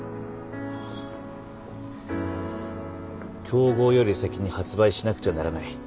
競合より先に発売しなくてはならない。